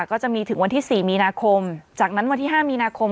ก็จะมีถึงวันที่๔มีนาคมจากนั้นวันที่๕มีนาคม